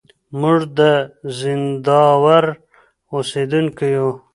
موږ د زينداور اوسېدونکي يو.